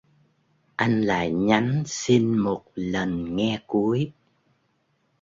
Anh lại nhắn xin một lần nghe cuối